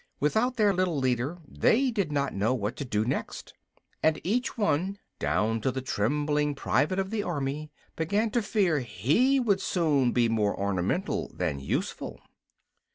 Without their little leader they did not know what to do next, and each one, down to the trembling private of the army, began to fear he would soon be more ornamental than useful.